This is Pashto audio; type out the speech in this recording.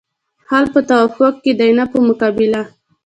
حل په توافق کې دی نه په مقابله.